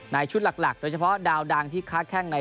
ชุดหลักโดยเฉพาะดาวดังที่ค้าแข้งใน